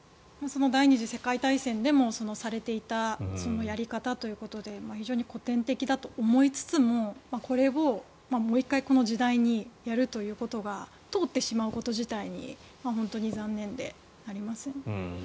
第２次世界大戦でもされていたやり方ということで非常に古典的だと思いつつもこれをもう１回この時代にやるということが通ってしまうこと自体に本当に残念でなりません。